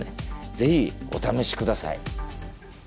ぜひお試し下さい。